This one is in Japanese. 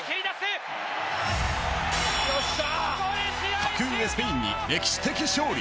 格上スペインに歴史的勝利。